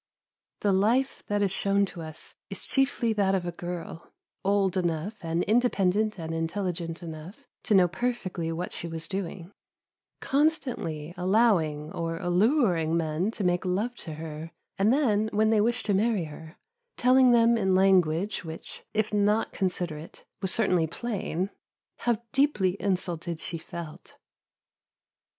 The life that is shown to us is chiefly that of a girl, old enough, and independent and intelligent enough, to know perfectly what she was doing, constantly allowing, or alluring, men to make love to her; and then, when they wished to marry her, telling them in language which, if not considerate, was certainly plain, how deeply insulted she felt.